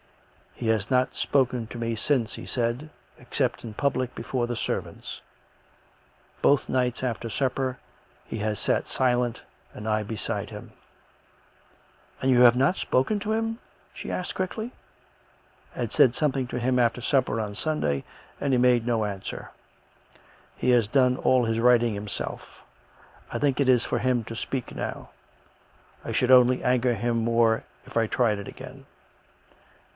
" He has not spoken to me since," he said, " except in public before the servants. Both nights after supper he has sat silent and I beside him." " And you have not spoken to him ?" she asked quickly. " I said something to him after supper on Sunday, and he made no answer. He has done all his writing himself. I think it is for him to speak now. I should only anger him more if I tried it again."